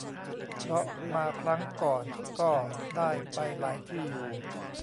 เพราะมาครั้งก่อนก็ได้ไปหลายที่อยู่